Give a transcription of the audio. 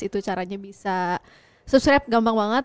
itu caranya bisa susrap gampang banget